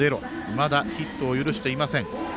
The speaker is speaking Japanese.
まだヒットを許していません。